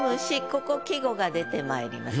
ここ季語が出てまいります。